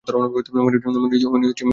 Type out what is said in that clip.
মনে হচ্ছে, মিশনটা ব্যর্থ হয়েছে।